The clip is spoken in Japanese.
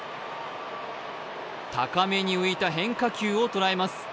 高めに浮いた変化球を捉えます。